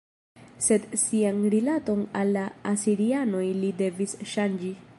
Sed sian rilaton al la asirianoj li devis ŝanĝi.